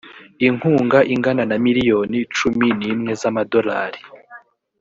inkunga ingana na miliyoni cumi n’imwe z’amadolari